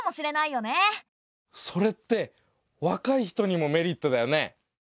それって若い人にもメリットだよね。